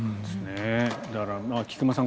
だから、菊間さん